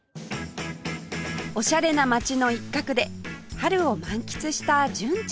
オシャレな街の一角で春を満喫した純ちゃん